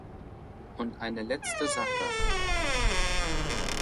Und eine letzte Sache.